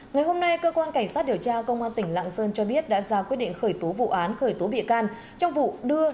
ngày hôm nay cơ quan cảnh sát điều tra công an tỉnh lạng sơn cho biết đã ra quyết định khởi tố vụ án khởi tố bị can trong vụ đưa